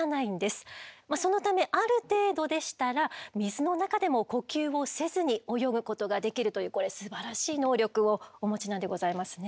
そのためある程度でしたら水の中でも呼吸をせずに泳ぐことができるというこれすばらしい能力をお持ちなんでございますね。